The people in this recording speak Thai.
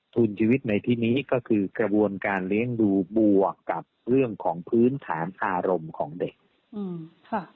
ทุนชีวิตในที่นี้ก็คือกระบวนการเลี้ยงดูบวกกับเรื่องของพื้นฐานอารมณ์ของเด็กค่ะ